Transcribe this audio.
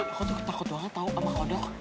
aku tuh takut banget tau sama kodok